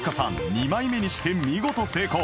２枚目にして見事成功